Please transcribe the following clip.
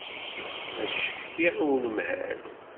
Ad ccetkiɣ i unemhal.